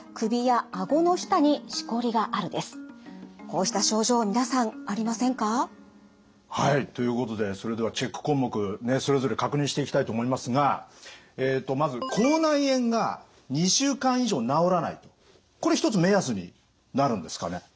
こうした症状皆さんありませんか？ということでそれではチェック項目それぞれ確認していきたいと思いますがまずこれ一つ目安になるんですかね？